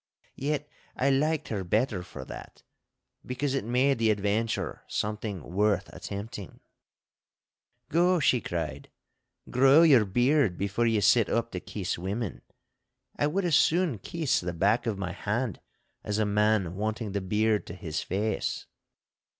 Yet I liked her better for that, because it made the adventure something worth attempting. 'Go,' she cried, 'grow your beard before ye set up to kiss women. I would as soon kiss the back of my hand as a man wanting the beard to his face.